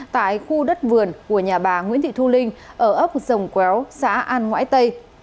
tại khu đất vườn của nhà bà nguyễn thị thu linh ở ấp dòng quéo xã an ngãi tây